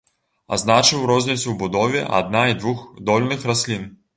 Адзначыў розніцу ў будове адна- і двухдольных раслін.